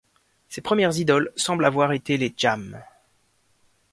Ses premières idoles semblent avoir été les Jam.